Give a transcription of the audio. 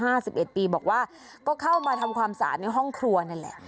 สิบเอ็ดปีบอกว่าก็เข้ามาทำความสะอาดในห้องครัวนั่นแหละ